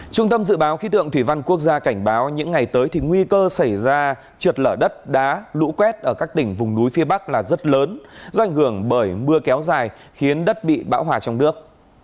trung tâm dự báo khí tượng thủy văn quốc gia cảnh báo những ngày tới thì nguy cơ xảy ra trượt lở đất đá lũ quét ở các tỉnh vùng núi phía bắc là rất lớn do ảnh hưởng bởi mưa kéo dài khiến đất bị bão hòa trong nước